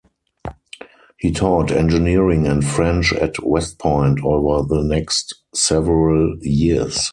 He taught engineering and French at West Point over the next several years.